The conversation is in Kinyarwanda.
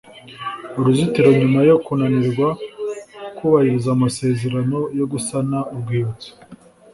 uruzitiro Nyuma yo kunanirwa kubahiriza amasezerano yo gusana urwibutso